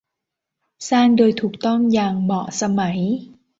สร้างโดยถูกต้องอย่างเหมาะสมัย